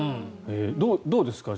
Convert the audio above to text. どうですか？